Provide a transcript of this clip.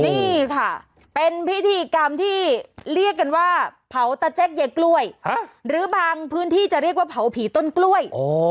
นี่ค่ะเป็นพิธีกรรมที่เรียกกันว่าเผาตะแจ็คยายกล้วยหรือบางพื้นที่จะเรียกว่าเผาผีต้นกล้วย